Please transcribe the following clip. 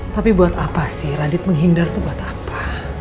tapi buat apa sih radit menghindar itu buat apa